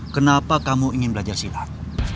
kenapa kamu ingin belajar silat